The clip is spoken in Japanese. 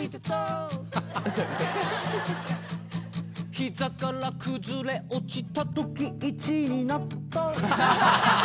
膝から崩れ落ちた時１になった